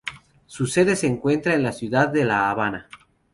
Su sede se encuentra en la ciudad de La Habana.